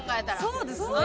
そうですね。